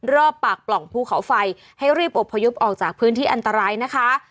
รอบปากปล่องภูเขาไฟให้รีบอบพยพออกจากพื้นที่อันตรายนะคะ